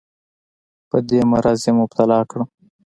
په دې مرض یې مبتلا کړم.